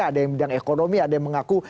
ada yang bidang ekonomi ada yang mengaku